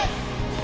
え？